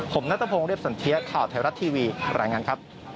ผมนัทพงศ์เรียบสันเทียข่าวไทยรัฐทีวีรายงานครับ